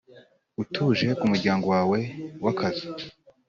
utuje kumuryango wawe w'akazu.